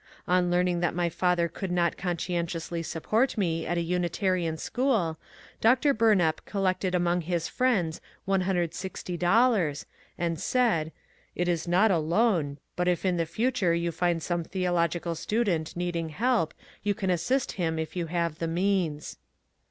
On learning that my father could not conscien tiously support me at a Unitarian school, Dr. Bumap col lected among his friends $160 and said, ^^ It is not a loan, but if in the future you find some theological student needing help you can assist him if you have the means."